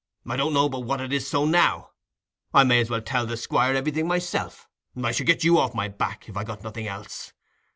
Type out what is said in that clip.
I don't know but what it is so now: I may as well tell the Squire everything myself—I should get you off my back, if I got nothing else.